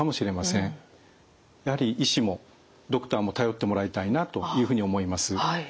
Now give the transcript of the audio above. やはり医師もドクターも頼ってもらいたいなというふうに思います。